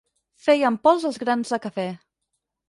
Fèiem pols els grans de cafè.